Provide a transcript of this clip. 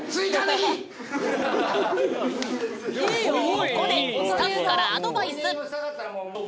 ここでスタッフからアドバイス！